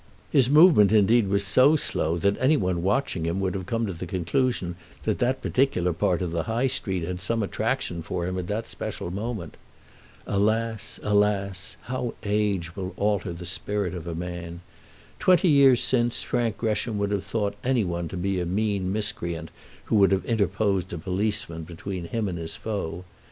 His movement, indeed, was so slow that any one watching him would have come to the conclusion that that particular part of the High Street had some attraction for him at that special moment. Alas, alas! How age will alter the spirit of a man! Twenty years since Frank Gresham would have thought any one to be a mean miscreant who would have interposed a policeman between him and his foe.